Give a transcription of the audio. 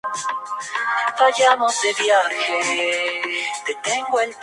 Ocasionalmente se registra su presencia en las zonas suburbanas de Hobart.